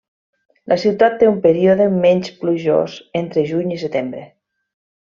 La ciutat té un període menys plujós entre juny i setembre.